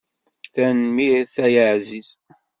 Tanemmirt ay aεziz.